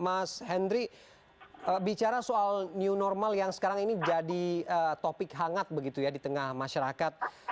mas henry bicara soal new normal yang sekarang ini jadi topik hangat begitu ya di tengah masyarakat